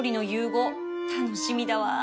楽しみだわ